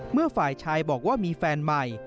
เมื่อฝ่ายชายบอกว่ามีแฟนใหม่